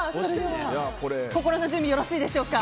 心の準備よろしいですか？